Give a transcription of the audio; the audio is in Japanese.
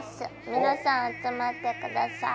皆さん集まってください。ＯＫ！